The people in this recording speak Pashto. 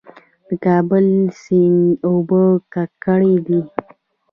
د کابل سیند اوبه ککړې دي؟